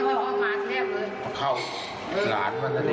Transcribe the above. เหล่า